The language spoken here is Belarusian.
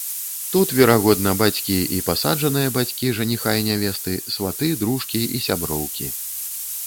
Тут, верагодна, бацькі і пасаджаныя бацькі жаніха і нявесты, сваты, дружкі і сяброўкі.